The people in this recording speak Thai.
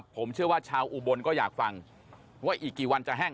ผมเชื่อว่าชาวอุบลก็อยากฟังว่าอีกกี่วันจะแห้ง